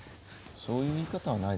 そういう言い方はないだろ。